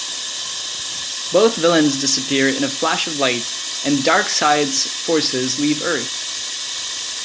Both villains disappear in a flash of light, and Darkseid's forces leave Earth.